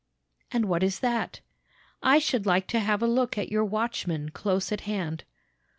"'And what is that?' "'I should like to have a look at your watchmen close at hand.'